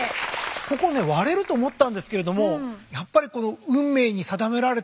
ここね割れると思ったんですけれどもやっぱりこの運命に定められた